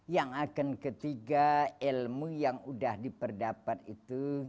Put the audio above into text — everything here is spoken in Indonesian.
yang akan ketiga ilmu yang udah diperdapat itu